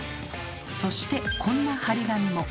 そしてこんな貼り紙も。